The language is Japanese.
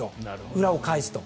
裏を返すと。